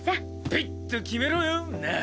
ビッと決めろよ凪。